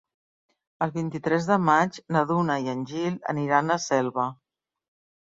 El vint-i-tres de maig na Duna i en Gil aniran a Selva.